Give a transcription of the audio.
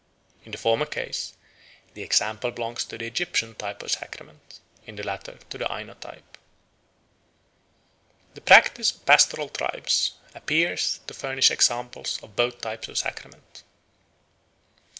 In the former case the example belongs to the Egyptian type of sacrament, in the latter to the Aino type. The practice of pastoral tribes appears to furnish examples of both types of sacrament.